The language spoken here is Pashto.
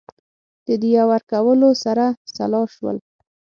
د دیه ورکولو سره سلا شول.